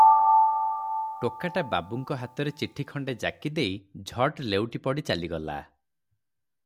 ଟୋକାଟା ବାବୁଙ୍କ ହାତରେ ଚିଠି ଖଣ୍ଡେ ଯାକି ଦେଇ ଝଟ୍ ଲେଉଟି ପଡ଼ି ଚାଲିଗଲା ।